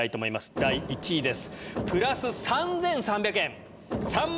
第１位です！